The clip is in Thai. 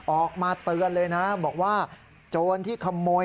ออกมาเตือนเลยนะบอกว่าโจรที่ขโมย